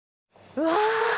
うわ！